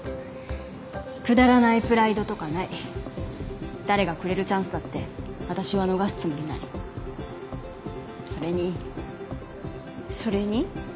くだらないプライドとかない誰がくれるチャンスだって私は逃すつもりないそれにそれに？